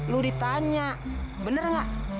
lu ditanya bener gak